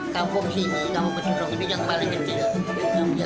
kampung sini kampung cibrok ini yang paling kecil